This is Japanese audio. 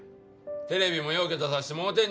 テレビもようけ出させてもろてんねやろ？